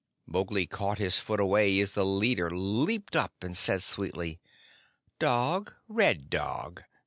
Mowgli caught his foot away as the leader leaped up, and said sweetly: "Dog, red dog!